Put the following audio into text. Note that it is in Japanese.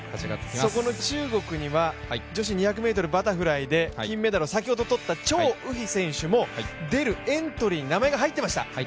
そこの中国には女子２００ｍバタフライで金メダルを先ほど取った張雨霏選手も出る、エントリーに名前が入っていました。